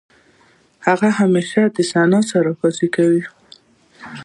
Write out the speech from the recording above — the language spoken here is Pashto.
هغه همېشه د ثنا سره بازۍ کوي.